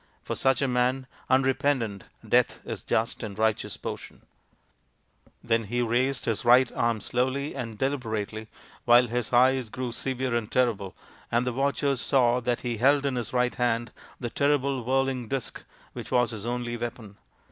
For such a man, unrepentant, death is the just and righteous portion." Then he THE FIVE TALL SONS OF PANDU 85 raised his right arm slowly and deliberately, while his eyes grew severe and terrible, and the watchers saw that he held in his right hand the terrible whirl ing disc which was his only weapon.